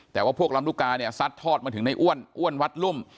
แต่ว่าพวกลำลูกกาเนี่ยซัดทอดมาถึงในอ้วนอ้วนวัดรุ่ม